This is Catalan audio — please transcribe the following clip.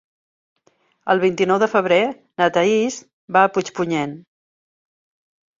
El vint-i-nou de febrer na Thaís va a Puigpunyent.